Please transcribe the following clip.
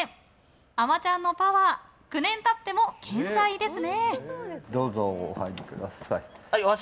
「あまちゃん」のパワー９年経っても健在ですね。